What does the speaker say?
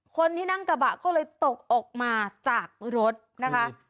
คนที่นั่งกระบะก็เลยตกออกมาจากรถนะคะ